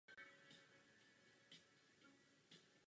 Kouří tři krabičky cigaret denně.